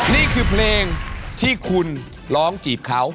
นี่คือเพลงที่คุณร้องจีบเขา